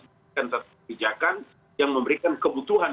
menggunakan kebijakan yang memberikan kebutuhan